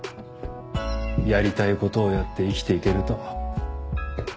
やりたいことをやって生きていけると